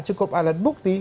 cukup alat bukti